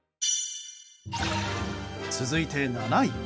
続いて、７位。